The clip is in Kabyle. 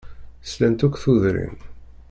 Slant akk tudrin.